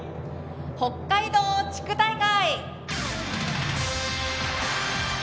「北海道地区大会」。